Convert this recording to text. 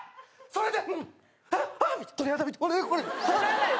それで？